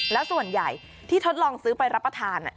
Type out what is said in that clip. แล้วส่วนใหญ่ที่ทดลองซื้อไปรับประทาน